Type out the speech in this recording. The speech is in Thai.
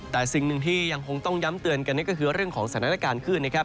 แต่สิ่งหนึ่งที่ยังคงต้องย้ำเตือนกันนี่ก็คือเรื่องของสถานการณ์ขึ้นนะครับ